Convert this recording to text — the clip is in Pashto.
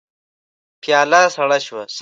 پياله سړه شوه.